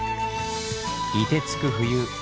いてつく冬。